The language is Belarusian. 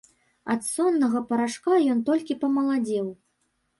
Ад соннага парашка ён толькі памаладзеў.